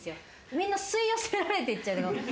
みんな吸い寄せられていっちゃう。